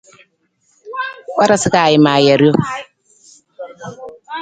Ma ka wiin warasa, ma ka joo rijang.